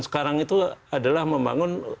sekarang itu adalah membangun